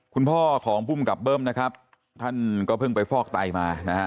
คุณพ่อของภูมิกับเบิ้มนะครับท่านก็เพิ่งไปฟอกไตมานะฮะ